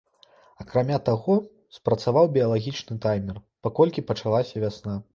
Акрамя таго, спрацаваў біялагічны таймер, паколькі пачалася вясна.